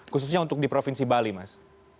khususnya untuk di provinsi bali mas